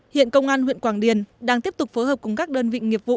hiện công an huyện quảng điền đang tiếp tục phối hợp cùng các đơn vị nghiệp vụ